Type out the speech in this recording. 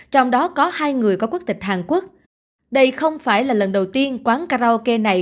trong đó có hai người có quốc tịch hàn quốc đây không phải là lần đầu tiên quán karaoke này